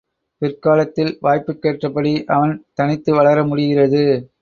பிற்காலத்தில் வாய்ப்புக்கேற்றபடி அவன் தனித்து வளர முடிகிறது.